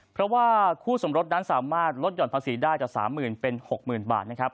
เพราะว่าคู่สมรสนั้นสามารถลดหย่อนภาษีได้จาก๓๐๐๐เป็น๖๐๐๐บาทนะครับ